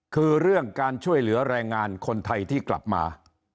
คือเรื่องการช่วยเหลือแรงงานคนไทยที่กลับมา